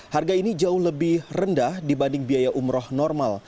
harga ini jauh lebih rendah dibanding biaya umroh normal